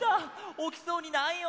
おきそうにないよ。